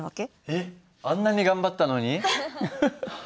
えっあんなに頑張ったのに？